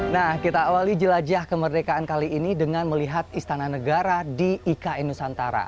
nah kita awali jelajah kemerdekaan kali ini dengan melihat istana negara di ikn nusantara